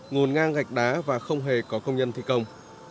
ngồn ngang gạch đá và không hề có công nhân thi công